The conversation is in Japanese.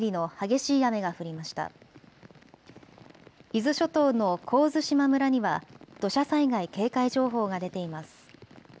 伊豆諸島の神津島村には土砂災害警戒情報が出ています。